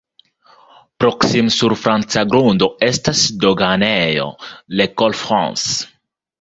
Proksime sur franca grundo estas doganejo "Le Col France".